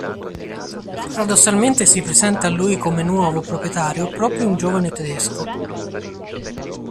Paradossalmente, si presenta a lui come nuovo proprietario proprio un giovane tedesco.